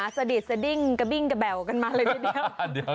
สดิตสดิ้งกะบิ้งกะแบ่วกันมาเลยเดี๋ยว